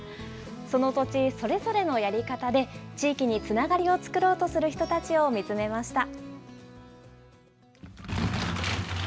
その土地それぞれのやり方で、地域につながりを作ろうとする人たちを見つめました。